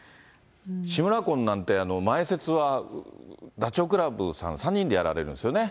志村魂なんて、前説は、ダチョウ倶楽部さん３人でやられるんですよね。